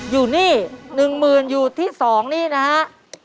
อยู่นี่๑หมื่นอยู่ที่๒นี่นะฮะ